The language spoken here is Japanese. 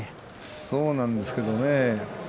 そうなんですけれどね。